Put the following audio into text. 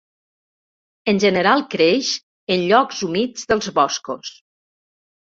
En general creix en llocs humits dels boscos.